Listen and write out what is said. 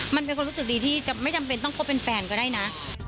มันเป็นความรู้สึกดีที่จะไม่จำเป็นต้องคบเป็นแฟนก็ได้นะ